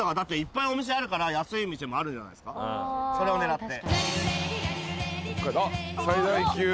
それを狙って。